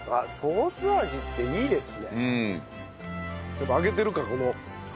やっぱり揚げてるからこの油が。